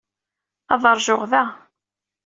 Ad ṛjuɣ da.